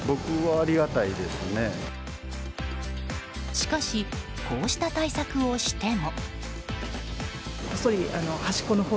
しかしこうした対策をしても。